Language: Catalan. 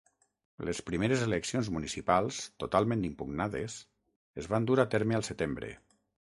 Les primeres eleccions municipals, totalment impugnades, es van dur a terme al setembre.